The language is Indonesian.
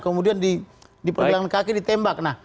kemudian di pergelangan kaki ditembak